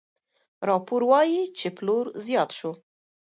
راپور وايي چې پلور زیات شو.